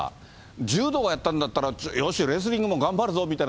柔道がやったんだったら、よし、レスリングも頑張るぞみたいな、